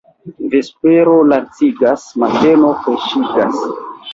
Vespero lacigas, mateno freŝigas.